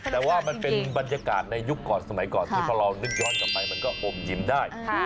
แต่ว่ามันเป็นบรรยากาศในยุคก่อนสมัยก่อนที่พอเรานึกย้อนกลับไปมันก็อมยิ้มได้